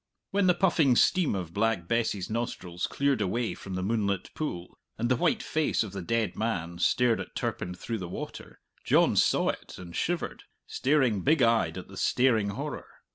When the puffing steam of Black Bess's nostrils cleared away from the moonlit pool, and the white face of the dead man stared at Turpin through the water, John saw it and shivered, staring big eyed at the staring horror.